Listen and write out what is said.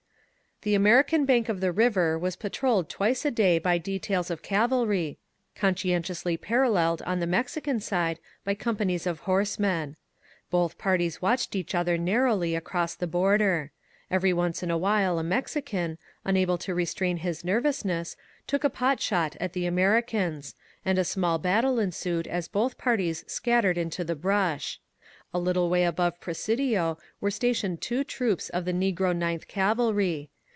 The American bank of the river was patroled twice a day by details of cavalry, conscientiously paralleled on the Mexican side by companies of horsemen. Both parties watched each other narrowly across the Bor der. Every once in a while a Mexican, .unable to re strain his nervousness, took a pot shot at the Ameri cans, and a small battle ensued as both parties scat tered into the brush. A little way above Presidio were stationed two troops of the Negro Ninth Cavalry.